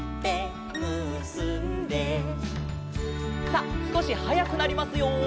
さあすこしはやくなりますよ。